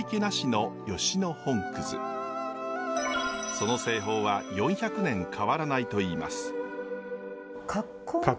その製法は４００年変わらないといいます。